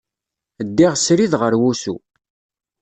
Ddiɣ srid ɣer wusu.